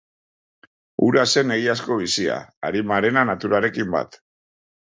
Hura zen egiazko bizia, arimarena naturarekin bat.